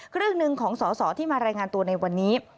ครึ่งหนึ่งของสอสอที่มารายงานตัวในวันนี้